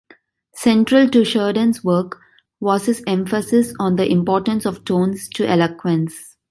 Central to Sheridan's work was his emphasis on the importance of tones to eloquence.